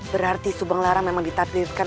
berarti subang larang memang ditadbirkan